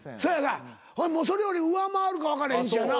それより上回るか分かれへんしやな。